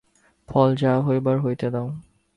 ফল যাহা হইবার হইতে দাও।